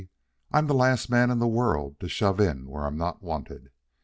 I'm the last man in the world to shove in where I'm not wanted.